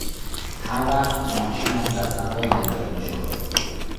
هر وقت ماشین از دستاندازی رد میشد...